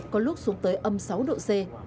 có lúc xuống tới âm sáu độ c